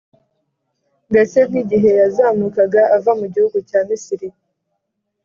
mbese nk’igihe yazamukaga ava mu gihugu cya Misiri.